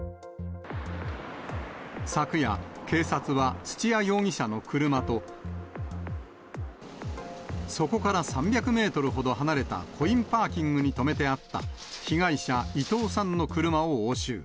昨夜、警察は土屋容疑者の車と、そこから３００メートルほど離れたコインパーキングに止めてあった被害者、伊藤さんの車を押収。